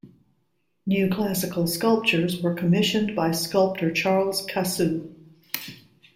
New classical sculptures were commissioned by sculptor Charles Cassou.